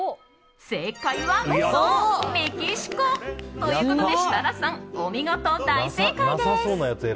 正解は、そう、メキシコ！ということで設楽さん、お見事大正解です！